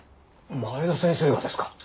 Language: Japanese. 前田先生がですか？